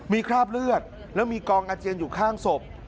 มีคราบเลือดแล้วมีกองอาเจียนอยู่ข้างศพ